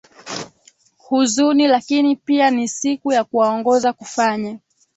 huzuni lakini pia ni siku ya kuwaongoza kufanya